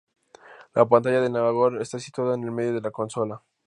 La pantalla del navegador está situada en el medio de la consola.